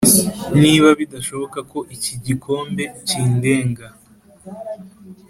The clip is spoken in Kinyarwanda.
niba bidashoboka ko iki gikombe kindenga